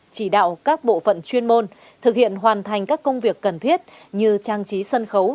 chỉ đạo các bộ phận chuyên môn thực hiện hoàn thành các công việc cần thiết như trang trí sân khấu